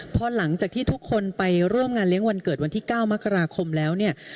พอหลังจากที่ทุกคนไปร่วมงานเลี้ยงวันเกิดวันที่๙มกราคมแล้วเนี่ย